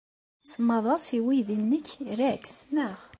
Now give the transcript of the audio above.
Tsemmaḍ-as i weydi-nnek Rex, naɣ?